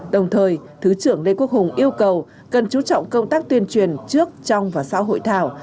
đồng thời thứ trưởng lê quốc hùng yêu cầu cần chú trọng công tác tuyên truyền trước trong và sau hội thảo